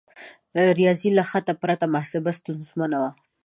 د ریاضي له خط پرته محاسبه ستونزمنه وه.